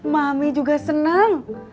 mami juga seneng